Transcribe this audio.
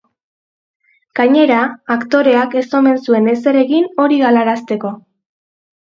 Gainera, aktoreak ez omen zuen ezer egin hori galarazteko.